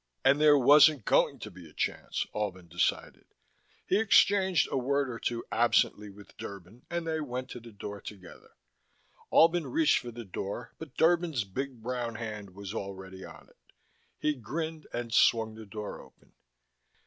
And there wasn't going to be a chance, Albin decided. He exchanged a word or two absently with Derban and they went to the door together. Albin reached for the door but Derban's big brown hand was already on it. He grinned and swung the door open.